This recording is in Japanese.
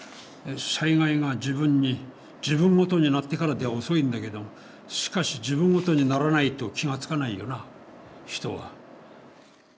災害が自分ごとになってからでは遅いんだけどしかし自分ごとにならないと気が付かないよな人は。